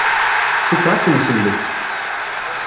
Cukkeɣ ad tt-nsellek.